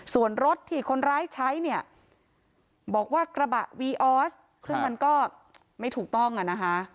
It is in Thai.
ส่วนรถที่คนร้ายใช้เนี่ยบอกว่ากระบะวีออสซึ่งมันก็ไม่ถูกต้องอ่ะนะคะ